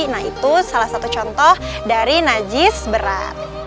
nah itu salah satu contoh dari najis berat